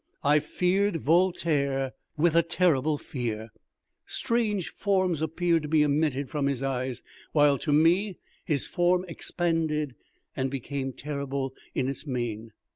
I feared Voltaire with a terrible fear. Strange forms appeared to be emitted from his eyes, while to me his form expanded and became terrible in its mien.